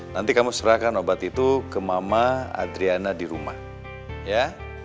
nanti kamu serahkan obat itu ke mama adriana di rumah ya